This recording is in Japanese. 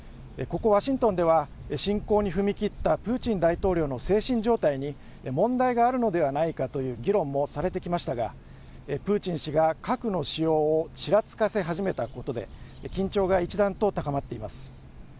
ここワシントンでは侵攻に踏み切ったプーチン大統領の精神状態に問題があるのではないかという議論もされてきましたがプーチン氏が核の使用をちらつかせ始めたことで緊張が一段と高まっています。